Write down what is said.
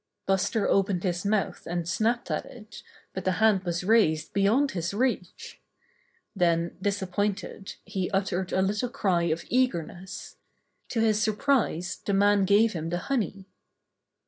Buster opened his mouth and snapped at it, but the hand was raised beyond his reach. Then, disappointed, he uttered a little cry of eagerness. To his surprise the man gave him the honey.